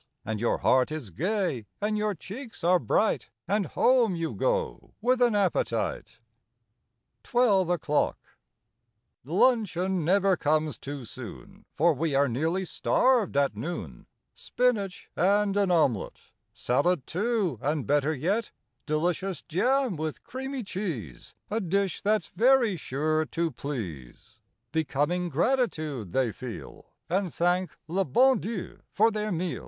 And your heart is gay and your cheeks are bright— And home you go with an appetite! 21 ELEVEN O'CLOCK 23 TWELVE O'CLOCK 1 UNCHEON never comes too soon, J Eor we are nearly starved at noon! Spinach and an omelette, Salad, too, and better yet Delicious jam with creamy cheese— A dish that's very sure to please! Becoming gratitude they feel. And thank le bon Dieii for their meal.